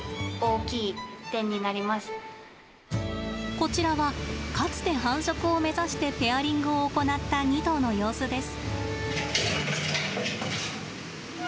こちらはかつて繁殖を目指してペアリングを行った２頭の様子です。